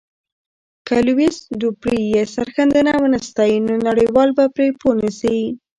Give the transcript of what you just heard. که لويس دوپري یې سرښندنه ونه ستایي، نو نړیوال به پرې پوه نه سي.